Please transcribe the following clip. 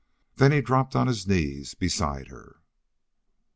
Then he dropped on his knees beside her.